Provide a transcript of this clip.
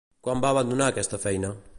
Quan va abandonar aquesta feina?